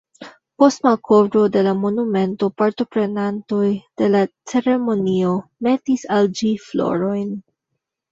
Post malkovro de la monumento partoprenantoj de la ceremonio metis al ĝi florojn.